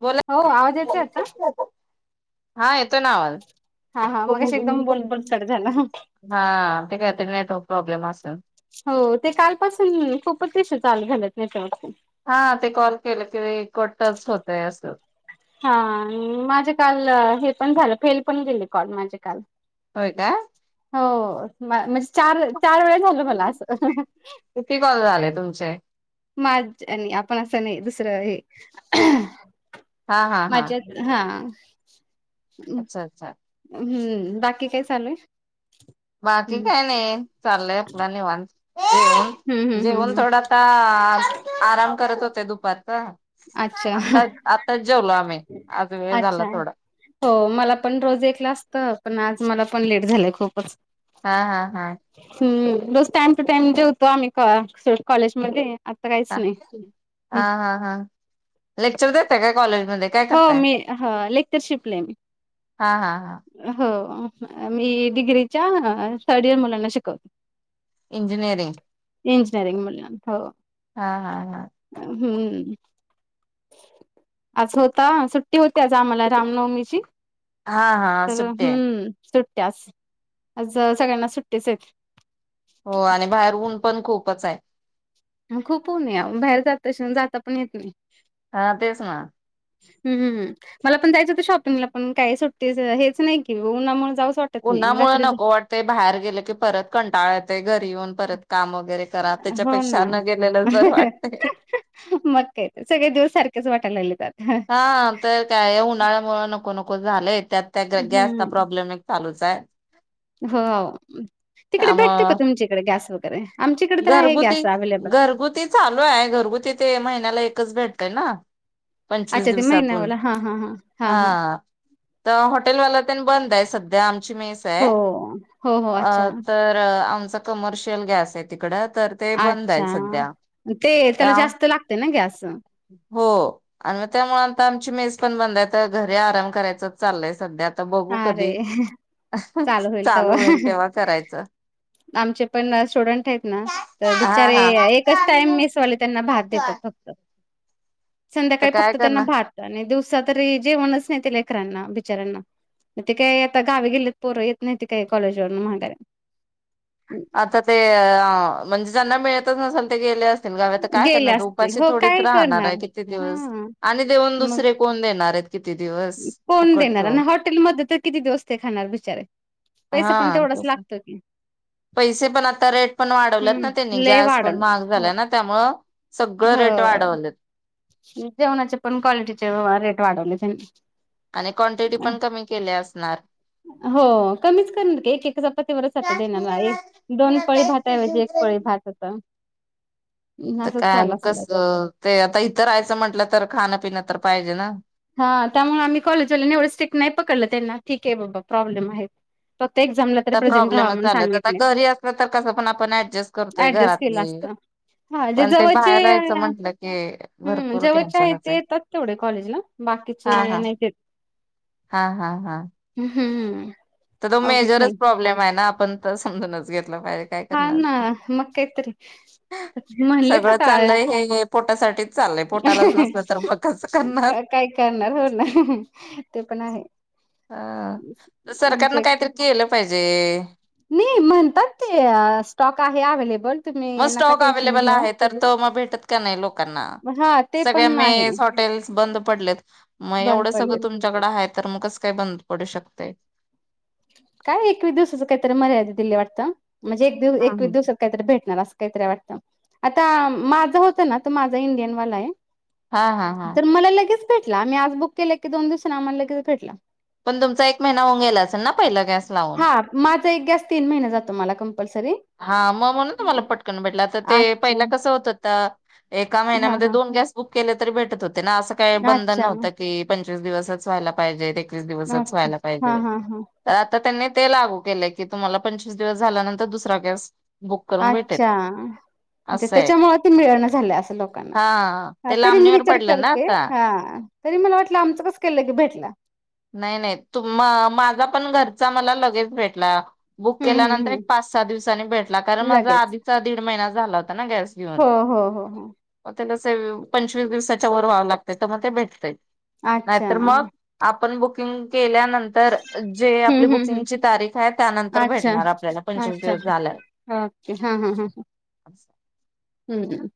बोला हो, आवाज येतोय, आता? हा, येतोय ना, आवाज. हा हा मगाशी एकदम बोल बोल कट झाला हां, ते काय तर नेटवर्क प्रॉब्लेम, असल. हो, ते कालपासून, खूपच इशू चालू झाल्यात, नेटवर्कच. हां, ते कॉल केलंकेलं [unintelligible] की टच होतय, असं. हां, माझे काल, हे पण झालं, फेल पण गेले कॉल, माझे काल. होय का? हो, म-म्हजे, चार वे -चार वेळा झालं, मला असं. किती कॉल झाले, तुमचे? माझ आणि आपण असं नही, दुसरं हे हा हा हा. हां. अच्छा अच्छा हम्म, बाकी काय चालू? बाकी हम्म काय नही, चाललंय आपलं निवांत, हम्म हम्म जेवन-जेवण हम्म थोडा आता, आराम करत होते, दुपारचा. अच्छा, हं. आत्ताचं जेवलो आम्ही आज वेळ झाला थोडा. हो मला पण रोज एकला असतं, पण आज मला पण लेट झालं खूपचं. हा हा हा. हम्म रोज टाइम टू टाइम जेवतो आम्ही का सोड कॉलेजमध्ये. आता काहीच ह नाही हा हा हा लेक्चर देताय काय कॉलेजमध्ये? काय हो करताय? मी ह लेक्चरशिफ्टलाय मी. हा हा हा. हो मी डिग्रीच्या थर्ड इयर मुलांना शिकवते. इंजिनियरिंग? इंजिनियरिंग मुलं हो. हा हा हा. हम्म. आज होता सुट्टी होती आज आम्हाला रामनवमीची. हा हा. तर सुट्टी आहे हम्म सुट्ट्या आज, आज सगळ्यांना सुट्टेच आहेत. हो आणि बाहेर ऊन पण खूपचंय. खूप ऊन हाय आव बाहेर जातश जाता पण येत नाही. हा तेच ना. हम्म हम्म हम्म, मला पण जायचं होतं शॉपिंगला पण काय सुट्टीच हेच नाही कि उना मूळ जाऊच वा उन्हामुळं नको वाटतंय बाहेर गेलं की परत कंटाळ येतंय घरी येऊन. परत काम वगैरे करा हो त्याच्यापेक्षा ना. न गेलेलंच बरं वाटतंय. मग काय तर सगळे दिवस सारखेचं वाटाय लागलेत आता. हा तर काय उन्हाळ्यामुळे नको नको झालंय त्यात त्या गॅसचा हम्म प्रॉब्लेम एक. चालुचंय. हो तिकडे भेटते का त्यामुळं तुमच्याकडे गॅस वगैरे आमच्या इकडे तर आहे घरगुती गॅस अव्हेलेबल. घरगुती चालू आहे घरगुती ते महिन्याला एकचं भेटतंय ना. पंचवीस अच्छा ते दिवसातून महिनावाला हां, हां, हां, हां, हां. हा. तर हॉटेलवाला तेन बंद आहे सध्या आमची हो, मेसय हो, हो. अच्छा, अ तर आमचं कमर्शियल गॅस आहे तिकडं तर ते बंद अच्छा आहे सध्या. अन् ते त्याला त्या जास्त लागते ना गॅस? हो आणि मग त्यामुळं आता आमची मेस पण बंद आहे तर घरी आराम करायचं चाललंय सध्या. आता बघू अरे कधी चालू होईल तेव्हा करायचं. आमचे पण स्टुडंट आहेत ना, तर हा बिचारे हा. एकचं टाईम मेसवाले त्यांना भात देतात फक्त. आता संध्याकाळी काय फक्त त्यांना करणार भात आणि दिवसा तरी जेवणचं नाही ते लेकरांना बिचऱ्यांना. मग ते काय आता गावी गेलेत पोरं येत नाही ते काही कॉलेज वरून माघार आता ते अ म्हणजे ज्यांना मिळतचं नसेल ते गेले अस ते काय गेले करणार आता असतील उपाशी हो थोडीचं काय राहणारे करणार आहे किती दिवस? हा आणि देऊन मग दुसरे कोण देणारेत? किती दिवस? कोण देणार? फुकटच. आणि हॉटेलमध्ये तर किती दिवस ते खाणार बिचारे? पैसा पण हा तेवढंच तेच ना लागत की? पैसे पण आता रेट पण वाढवलेत ना त्यांनी हम्म लय गॅस पण वाढवलं. महाग हो झाला ना त्यामुळं. सगळं रेट हो वाढवलेत. जेवणाचे पण क्वालिटीचे रेट वाढवले त्यांनी. आणि क्वांटिटी पण कमी केली असणार? हो कमीच करणार, एकेक चपातीवरच आता देणाराय, दोन पळी भाताऐवजी एक पळी भात आता आता काय मग कसं, ते आता इतर रायचं म्हंटलं तर खाणपिण तर पाहिजे ना. हा त्यामुळे आम्ही कॉलेजवाल्यांनी एवढं स्ट्रिक नाही पकडलं त्यांना, ठीक आहे बाबा प्रॉब्लेम आहे. फक्त एक्झामला तरी तर प्रेझेंट राहा प्रॉब्लेमच म्हणून झाला तर, सांगितले आता घरी असलं तर कसं पण आपण ऍडजस्ट करतोय घरातली ह जे पण ते जवळचे बाहेर आहे राहायचं ना म्हटलं की हं भरपूर जवळचे आहे टेन्शनच ते येतात तेवढे कॉलेजला हा बाकीचे हा नाहीत येत हा हा हा हम्म तर तो अवघड मेजरच झालं प्रॉब्लेम आहे ना, आपण तर समजूनच घेतला पाहिजे. काय हा करणार ना मग काहीतरी म्हणलेत सगळ आता चाललय हे पोटासाठी करणार काय करणार हो ना ते पण आहेच. बस. अ सरकारनं काहीतरी केलं पाहिजे नाही म्हणतात ते स्टॉक आहे अवेलेबल मग तुम्ही नका स्टॉक टेन्शन अवेलेबल घेऊ. आहे तर त मग भेटत का नाही लोकांना, हा ते सगळ्या पण आहे मेस, हॉटेल्स बंद पडलेत. मग बंद एवढं पडलेत सगळं तुमच्याकडं आहे तर मग कस काय बंद पडू शकतय? काय एकवीस दिवसाची काहीतरी मर्यादित दिली वाटतं, म्हणजे एक हा एकवी दिवसा काहीतरी भेटणार असं काहीतरी आहे वाटतं, आता माझं होतं ना तो माझा इंडियन वाला आहे हा हा तर मला लगेच भेटला आम्ही आज बुक केलं की, दोन दिवसांना आम्हाला लगेच भेटला. पण तुमचा एक महिना होउन गेला असेल ना पहिला गॅस. लावून हा माझा एक गॅस तीन महिने जातो मला कंपल्सरी. हा मग म्हणून तुम्हाला पटकन भेटलं तर ते अच्छा पहिला कसं होत होता एका हा महिन्यामध्ये हा दोन गॅस बुक केले, तरी भेटत होते ना असं काही बंधन अच्छा नव्हतं की पंचवीस दिवसच व्हायला पाहिजेत, एकवीस दिवसच ओके व्हायला हा पाहिजेत हा हा तर आता त्यांनी ते लागू केलेय की, तुम्हाला पंचवीस दिवस झाल्यानंतर दुसरा गॅस बुक करून भेटेल अच्छा म्हणजे असं आहे त्याच्यामुळे ते मिळणं झालंय असं लोकांना, हा ह ते तरी मी लांबणीवर विचार पडलं ना करते आता हा तरी मला वाटलं आमचं कस लगे भेटला? नाही नाही तु म माझा पण घरचा मला लगेच भेटला. बुक हम्म हम्म केल्यानंतर हम्म एक पाच- सहा दिवसांनी भेटला, कारण माझा लगेच आधीचा दीड महिना झाला होता ना गॅस. घेऊन हो हो हो ह मग ते ल पंचवीस दिवसाच्या वर व्हावं लागतय, तर मग ते भेटतय अच्छा. नाहीतर मग हं, आपण बुकिंग केल्यानं तर जे आपली हं, हं. बुकिंगची तारीख आहे त्यानंतर अच्छा, भेटणार आपल्याला पंचवीस अच्छा. दिवस झाल्यावर. ओके हा हा हा हा. हम्म हम्म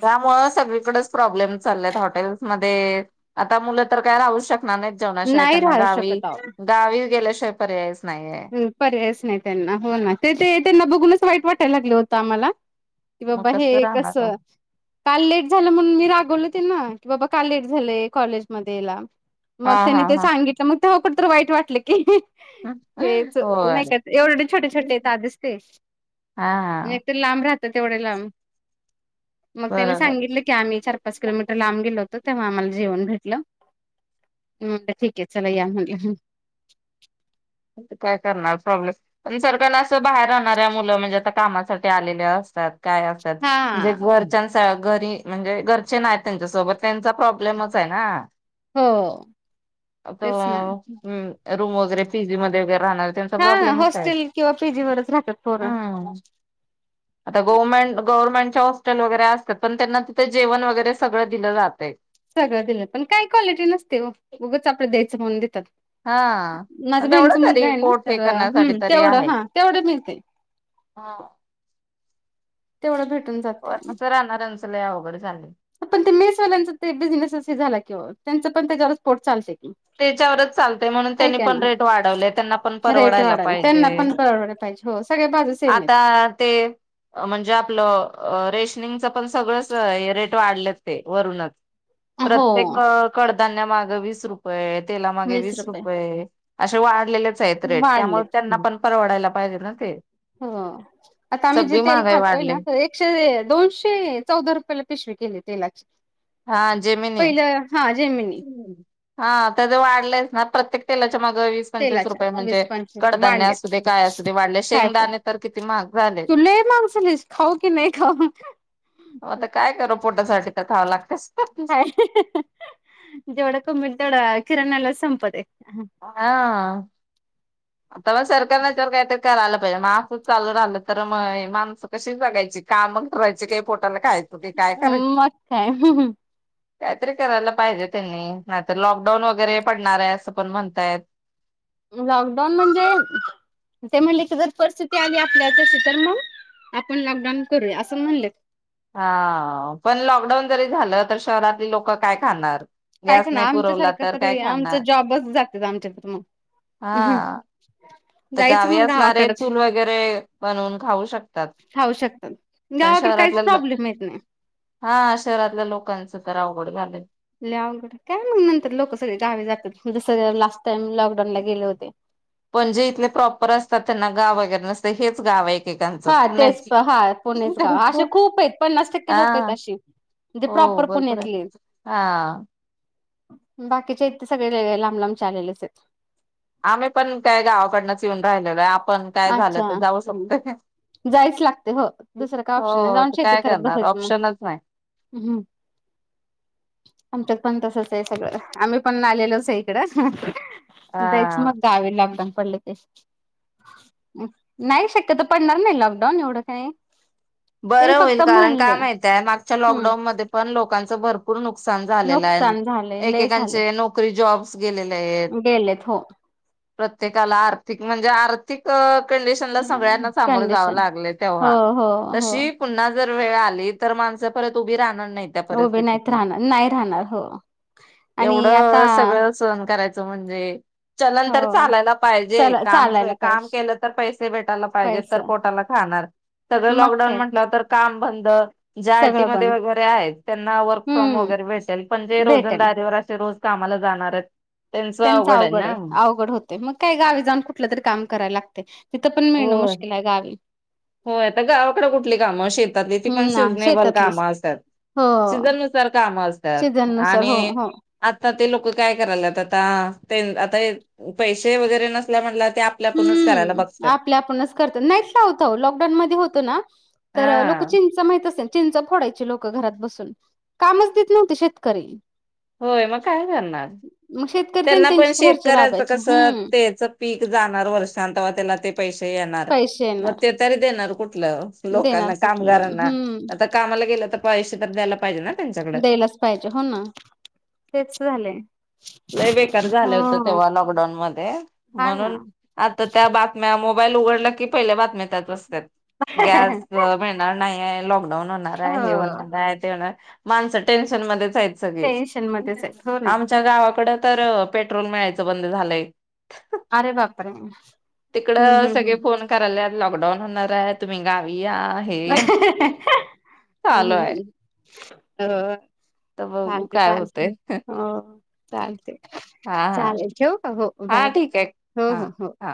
त्यामुळं सगळीकडेच प्रब्लेम चाल्यात हॉटेलमध्ये, आता मुलं तर काय राहू शकणार नाहीत जेवणाशिवाय नाही त्यांना राहू गावी, शकत अहो. गावी गेल्याशिवाय पर्यायच नाही आहे. पर्यायच नाही त्यांना, हो ना ते ते त्यांना बघूनच वाईट वाटायला लागले होतं आम्हाला कि मग बाबा हे कसं राहणार तो कसं काल लेट झालं म्हणून मी रागवलं त्यांना, की बाबा का लेट झालंय कॉलेजमध्येध्ये याला? हा मग त्यानी हा ते हा सांगितलं, मग तेव्हा कुठं तर वाईट वाटलं की हेच होय नाही का एवढे छोटे छोटे आहेत आधीच हा ते लांब राहत, एवढे लांब मग त्यानी बरोबर सांगितले की आमही चार पाच किलोमीटर लांब गेलो होतो तेव्हा आम्हाला जेवन भेटलं. मग तर ठीक आहे चला या म्हणलं. काय करणार प्रॉब्लेम पण सरकारला असं बाहेर राहणाऱ्या मुलं म्हणजे आता कामासाठी आलेले असतात. काय असतात म्हणजे हा. घरच्यां घरी म्हणजे घरचे नाही त्यांच्यासोबत त्यांचा प्रॉब्लेमच आहे ना हो मग तो तेच ना हम्म रूम वगैरे पीजी मध्ये बी राहणार त्यांचा हा प्रॉब्लेमच काय? हॉस्टेल किंवा पीजी वरच राहतात पोरं. आता गव्हर्नमेंट गव्हर्नमेंटच्या हॉस्टल वगैर असतात पण त्यांना तिथे जेवण वगैरे सगळं दिलं जातय. सगळं दिलं पण काय क्वालिटी नसते व उगंच आपलं द्यायचं म्हणून देतात. हा माझ्या तेवढं बहिणीचा मुलगा तरी आहे ना पोट हे तर करण्यासाठी हम्म तेवढं हा तेवढं मिळते. हा! तेवढं भेटून जाते. असं राहणाऱ्यांचं लय अवघड झालंय पण ते मेसवाल्यांचा ते बिझनेसच झाला की ओ त्यांचा पण त्याच्यावरच पोट चालतय. त्याच्यावरच चालते म्हणून त्यांनी पण रेट वाढवले त्यांना पण परवडायला पाहिजे. परवडाय पाहिजे. हो सगळ्या बाजूस आता ते म्हणजे आपलं रेशनिंगचं पण सगळंच रेट वाढलेत ते वरूनच. हो प्रत्येक कडधान्या माग वीस रुपये तेलामागे वीस रुपये असे वाढलेलेच आहेत रेट त्यामुळे वाढलेत त्यांना पण परवडायला पाहिजे ना ते हो आता आम्ही जे सगळी तेल महागाई खातोय वाढली ना दोनशे चौदा रुपयाला पिशवी केली तेलाची. हा जेमिनी! पहिलं हा जेमिनी हा तेझ वाढलंयच ना प्रत्येक तेलाच्या माग वीस पंचवीस तेलाच्या रुपये म्हणजे वीस पंचवीस कडधान्य वाढलेत असुदे काय असुदे वाढले काय पण शेंगदाणे तर किती महाग झाले. तु लई महाग झालीस खाऊ की नाही खाऊ. आता काय करू पोटासाठी तर खावं लागतेस. काय जेवढं कमविल तेवढं किराणालाच संपते. हा! तंव्हा सरकारन तर याच्यावर काहीतर करायला पाहिजे मा असच चालू राहलं तर म मा कशी बघायची काम करायची काही पोटाला खायचं की काय करायच. मग काय काहीतरी करायला पाहिजे त्यांनी नाहीतर लॉकडाऊन वगैरे पडणार आहे असं पण म्हणतायत. लॉकडाऊन म्हणजे ते म्हणले की जर परिस्थिती आली आपल्या तशी तर मग आपण लॉकडाऊन करूया असं म्हणले. हा पण लॉकडाऊन जरी झालं तर शहरातली लोक काय खाणार? काय गॅस खाणार नाही पुरवला आमच्यासारखं तर काय तरी आमच खाणार जॉबच जात्यात आमच्या तर मग. हं हं! हा. तर गावी असणारे चूल वगैरे बनवून खाऊ शकतात. खाऊ शकतात पण गावाकडे काहीच शहरातल्या प्रॉब्लेम येत नाही. हा शहरातल्या लोकांच तर अवघड झालं. लय अवघडं काय मग नंतर लोक सगळे गावे जातात जसं लास्ट टाईम लॉकडाऊनला गेले होते. म्हणजे इथले प्रॉपर असतात त्यांना गाव वगैरे नसतें हेच गाव आहे. एकेकांचे हा तेच पुणेच हा पुणेच गाव असे खूप आहेत पन्नास अ टक्के लोक हा! आहेत अशी. म्हणजे हो प्रॉपर भरपूर आहे पुण्यातले हा! बाकीच्या आहेत ते सगळे लई लई लांब लांबच्या आलेले असतात. आम्ही पण काय गावाकडनंच येऊन राहिलेलो आहे आपण काय झालं तर अच्छा जाऊ शकतोय. जायच लागते हो दुसरं काय ऑप्शन नाही हो जाऊन तर शेती काय करत करणार बसायचं मग. ऑप्शनच नाही [inaudible] आमच्यात पण तसच आहे सगळं आम्ही पण आलेलोच आहे इकडं. जायचं हा. मग गावी लॉकडाऊन पडले की. नाही शक्यतो पडणार नाही लॉकडाऊन एवढं काही. त्यांनी बरं होईल फक्त कारण का म्हणले माहती आहे मागच्या हम्म लॉकडाऊनमध्ये पण लोकांच भर पुर नुकसान झालेल नुकसान झाले लय झाले एकेकांचे नोक करी जॉब्स गेलेले आहेत गेलेत हो प्रत्येकाला आर्थिक म्हणजे आर्थि आर्थिक कंडिशन ला सगळ्यांना सामोरं जावं कंडिशन लागलं हो तेव्हा. हो हो तशी पुन्हा जर वेळ आली तर माणसं परत उभी राहणार नाहीत. उभे नाहीत परिस्थितीतून राहणार नाही राहणार हो आणि एवढ आता सगळं सहन करायचं म्हणजे चलन हो तर चालायला पाहिजे, चला काम चालायला काम पाहिजे केलं तर पैसे भेटायला पाहिजेत, पैसा तर पोटाला खाणार. मग लॉकडाऊन काय म्हटलं तर काम बंद जे आय टी सगळं मध्ये बन वगैरे आहेत त्यांना वर्क फ्रॉम हम्म वगैरे भेटेल पणजे भेटेल रोजंदारीेवर असे रोज कामाला जाणार आहेत त्यांचं अवघड आहे अवघड होत तंय मग काही गावी जाऊन कुठलं तरी काम करायला लागतंय तिथं पण मिळणं होय मुश्किल आहे गावी. होय आता गावाकडे कुठली कामं शेतातली ती पण हम् ना सिझनेबल शेतातलीच कामं असतात. हो सिजननुसार काम असतात सीझन नुसार आणि हो हो आता ते लोकं काय करायल्यात आता ते आता पैसे वगैरे नसल्या म्हंटल्यावर ते आप पल्या आपणच करायला बघतात. आपला आपणच करतात नाईट ला होतो लॉकडाऊन मध्ये होत ना लोकं हा चिं चा माहित असेल चिंचा फोडायची लोकं घरात बसून कामच देत नव्हते शेतकरी. होय मग काय करणार. मग शेत त्यांना पण शेतकऱ्यांचं कसं तेच पीक जाणार वर्षांन तेंव्हा त्याला ते पैसे येणार पैसे मग येणार ते तरी देणार कुठलं? ते देणार लोकांना कुठला कामगारांना हम्म आता कामाला गेलं तर पैसे तर द्यायला पाहिजे ना. त्यांच्याकड द्यायलाच पाहिजे हो ना तेच झालंय. लई बेकार झालं होत हो तेव्हा लॉकडाऊन मध्ये हा ना म्हणून आता त्या बात म्या मोबाईल उघडला की पहिल्या बातम्या त्याच असतात गॅसच मिळणार नाही लॉकडऊन होणार आहे हे होणार हो आहे ते होणार आहे माणसं टेन्शन मध्येच आहेत सगळे टेन्शन मध्येच आहेत हो ना आमच्या गावाकड तर पेट्रोल मिळायचं बंद झालंय. अरे बापरे! हम्म हम्म हम्म. कराल्यात लॉकडाऊन होणार आहे तुम्ही गावी या. हे या चालू आहे. होय. तर बघू चालतंय काय चालतंय होतय हो चालतंय. हा हा चालेल ठेऊ का हो हा बाय बाय ठीक आहे हो हा हो हो. हा